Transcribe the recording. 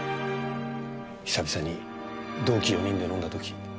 久々に同期４人で飲んだ時